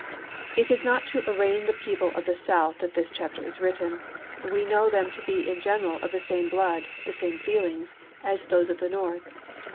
It is not to arraign the people of the South that this chapter is written ; we know them to be in general of the same blood, the same feel ings, as those of the North.